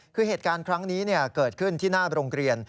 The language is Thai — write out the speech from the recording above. คือเหตุการณ์ครั้งนี้เกิดขึ้นที่หน้าโรงเรียน